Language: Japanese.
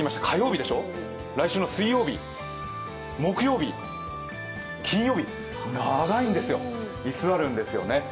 火曜日でしょ、来週の水曜日、木曜日、金曜日、長いんですよ、居座るんですよね。